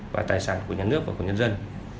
và tài sản của nhà nước và của nhân dân